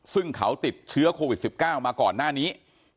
ซึ่งเขาติดเชื้อโควิด๑๙มาก่อนหน้านี้